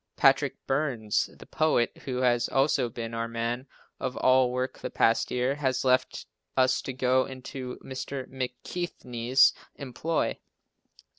Patrick Burns, the "poet," who has also been our man of all work the past year, has left us to go into Mr. McKechnie's employ.